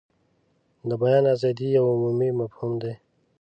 د بیان ازادي یو عمومي مفهوم دی.